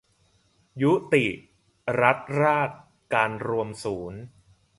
ยุติรัฐราชการรวมศูนย์